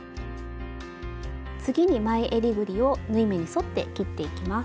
次に前えりぐりを縫い目に沿って切っていきます。